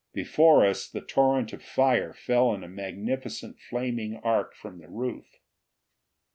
Before us the torrent of fire fell in a magnificent flaming arc from the roof.